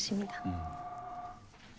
うん。